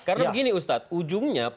karena begini ustadz